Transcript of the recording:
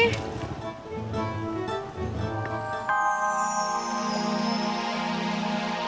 sudah selesain baru n context